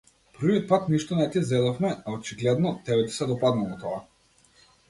Првиот пат ништо не ти зедовме, а очигледно, тебе ти се допаднало тоа.